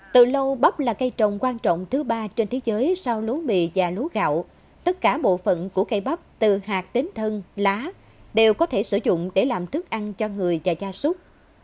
từ lâu bắp là cây trồng quan trọng thứ ba trên thế giới sau lúa mì và lúa gạo tất cả bộ phận của cây bắp từ hạt đến thân lá đều có thể sử dụng để làm thức ăn cho người và gia súc